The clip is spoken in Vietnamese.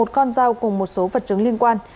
một con dao cùng một số vật chứng liên quan